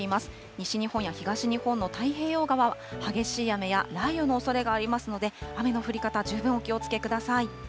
西日本や東日本の太平洋側は激しい雨や雷雨のおそれがありますので、雨の降り方、十分お気をつけください。